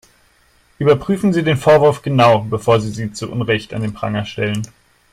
Überprüfen Sie den Vorwurf genau, bevor Sie sie zu Unrecht an den Pranger stellen.